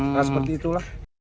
nah seperti itulah